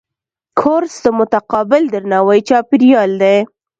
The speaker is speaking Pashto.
کورس د متقابل درناوي چاپېریال دی.